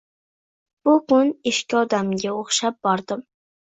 Bu kun ishga odamga o`xshab bordim